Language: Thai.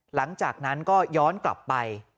หลังจากนั้นก็ย้อนกลับไป